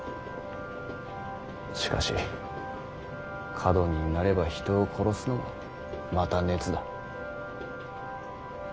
しかし過度になれば人を殺すのもまた熱だ。